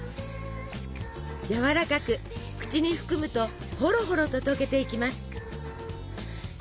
やわらかく口に含むとホロホロと溶けていきます！